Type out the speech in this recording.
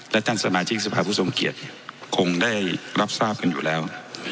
และท่านสมาชิกสภาพผู้ทรงเกียจคงได้รับทราบกันอยู่แล้ว